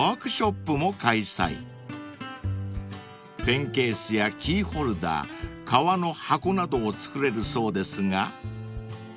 ［ペンケースやキーホルダー革の箱などを作れるそうですが］